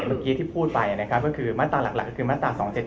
เมื่อกี้ที่พูดไปนะครับก็คือมาตราหลักก็คือมาตรา๒๗๒